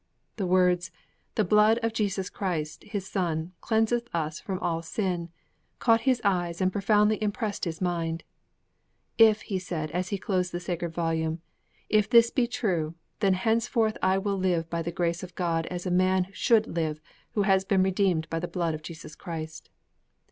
The words, 'The blood of Jesus Christ, His Son, cleanseth us from all sin,' caught his eyes and profoundly impressed his mind. 'If,' he said, as he closed the sacred Volume, 'if this be true, I will henceforth live by the grace of God as a man should live who has been redeemed by the blood of Jesus Christ.'